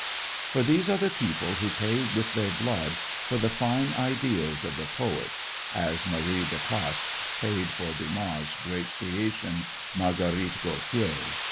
For these are the people who pay with their blood for the fine ideals of the poets, as Marie Delclasse paid for Dumas' great creation, "Marguerite Gauthier."